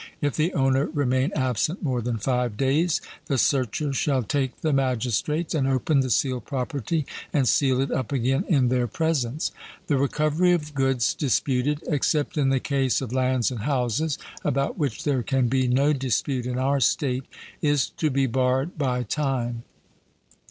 If the owner remain absent more than five days, the searcher shall take the magistrates, and open the sealed property, and seal it up again in their presence. The recovery of goods disputed, except in the case of lands and houses, (about which there can be no dispute in our state), is to be barred by time.